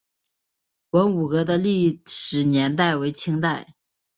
文武阁的历史年代为清代。